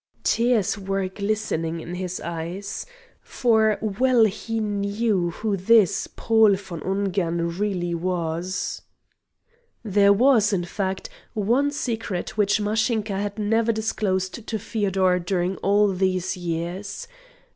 Tears were glistening in his eyes. For well he knew who this Paul von Ungern really was. There was, in fact, one secret which Mashinka had never disclosed to Feodor during all these years.